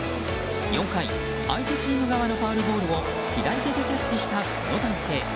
４回、相手チーム側のファウルボールを左手でキャッチした、この男性。